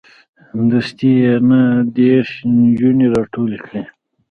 دستې یې نه دېرش نجونې راټولې کړې.